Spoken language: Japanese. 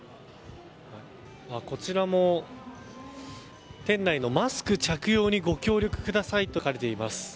こちらも店内のマスク着用にご協力くださいと書かれています。